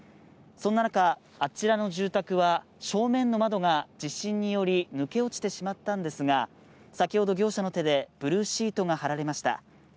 そんな中、あちらの住宅は正面の窓が地震により抜け落ちてしまったんですが、先ほど業者の手でブルーシートがはられました。